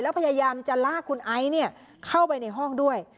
แล้วพยายามจะลากคุณไอซ์เข้าไปในห้องด้วย